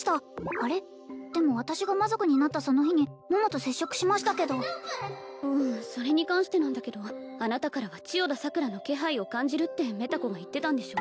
あれっでも私が魔族になったその日に桃と接触しましたけどうんそれに関してなんだけどあなたからは千代田桜の気配を感じるってメタ子が言ってたんでしょ？